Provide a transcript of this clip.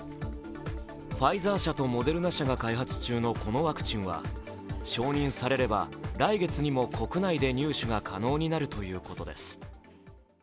ファイザー社とモデルナ社が開発中のこのワクチンは承認されれば来月にも国内で入手が可能になるということです。